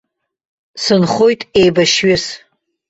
Сынхоит еибашьҩыс.